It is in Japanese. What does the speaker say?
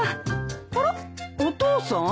あらお父さん？